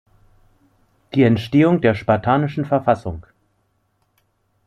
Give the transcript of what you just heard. Die Entstehung der spartanischen Verfassung“.